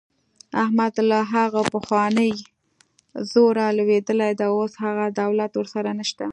احمد له هغه پخواني زوره لوېدلی دی. اوس هغه دولت ورسره نشته.